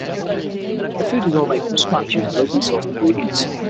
Their food is all made from scratch using locally sourced ingredients.